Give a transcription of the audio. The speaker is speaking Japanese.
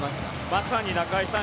まさに中居さん